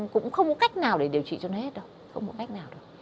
cũng không có cách nào để điều trị cho nó hết đâu